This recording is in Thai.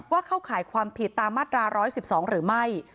เข้าข่ายความผิดตามมาตรา๑๑๒หรือไม่